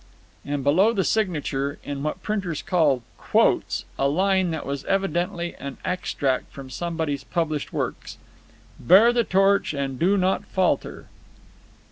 And below the signature, in what printers call "quotes," a line that was evidently an extract from somebody's published works: "Bear the torch and do not falter."